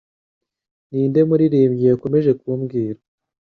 Ninde Muririmbyi Yakomeje kumbwira